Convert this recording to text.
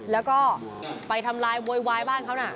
แล้วก็ไปทำลายโวยวายบ้านเขาน่ะ